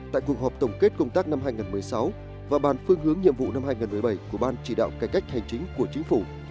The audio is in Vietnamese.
tại cuộc họp tổng kết công tác năm hai nghìn một mươi sáu và bàn phương hướng nhiệm vụ năm hai nghìn một mươi bảy của ban chỉ đạo cải cách hành chính của chính phủ